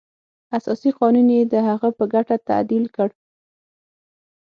اساسي قانون یې د هغه په ګټه تعدیل کړ.